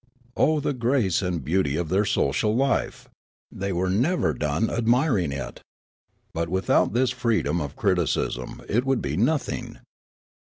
Oh, the grace and beauty of their social life ! They were never done admiring it. But without this freedom of criticism it would be nothing.